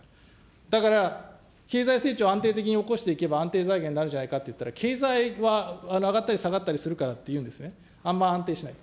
だから経済成長を安定的におこしていけば、安定財源になるじゃないかっていったら、経済は上がったり下がったりするからっていうんですね、あんま安定しないと。